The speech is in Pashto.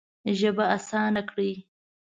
ژبه اسانه کړې.